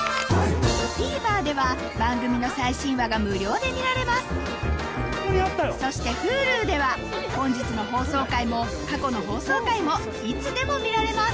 ＴＶｅｒでは番組の最新話が無料で見られますそしてＨｕｌｕでは本日の放送回も過去の放送回もいつでも見られます